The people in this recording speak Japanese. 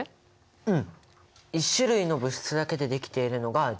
うん。